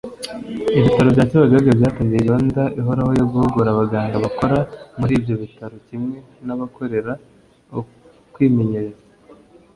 Ibitaro bya Kibagabaga byatangiye gahunda ihoraho yo guhugura abaganga bakora muri ibyo bitaro kimwe n’abahakorera ukwimenyereza